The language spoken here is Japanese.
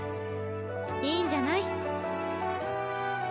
いいんじゃない？